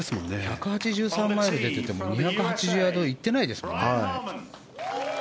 １８３マイル出てても２８０ヤード行ってないですよね。